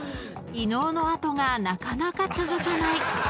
［伊野尾の後がなかなか続かない］